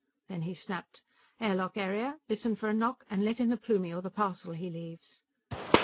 _" Then he snapped: "_Air lock area, listen for a knock, and let in the Plumie or the parcel he leaves.